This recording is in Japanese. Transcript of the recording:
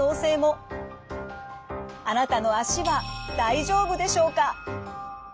あなたの足は大丈夫でしょうか？